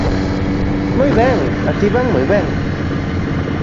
¡Moi ben, así van moi ben!